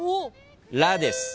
「ラ」です。